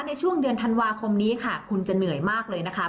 ในช่วงเดือนธันวาคมนี้ค่ะคุณจะเหนื่อยมากเลยนะคะ